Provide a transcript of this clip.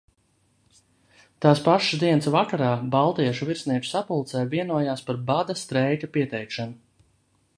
Tās pašas dienas vakarā baltiešu virsnieku sapulcē vienojās par bada streika pieteikšanu.